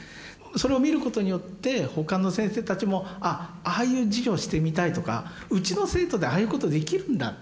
それを見ることによって他の先生たちもあっああいう授業をしてみたいとかうちの生徒でああいうことできるんだ。